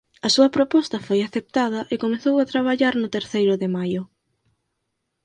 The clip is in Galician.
A súa proposta foi aceptada e comezou a traballar no Terceiro de Maio.